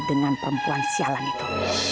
dengan perempuan sialan itu